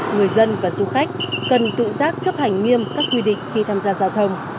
người dân và du khách cần tự giác chấp hành nghiêm các quy định khi tham gia giao thông